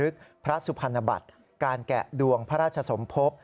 พระสุพรรณบัติการแกะดวงพระราชสมภพ